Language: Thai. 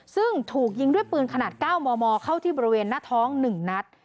ซึ่งถูกยิงด้วยปืนขนาด๙มมเข้าที่บริเวณหน้าท้อง๑นัด